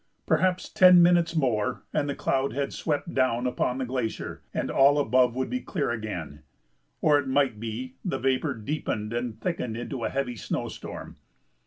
Perhaps ten minutes more and the cloud had swept down upon the glacier and all above would be clear again; or it might be the vapor deepened and thickened into a heavy snow storm.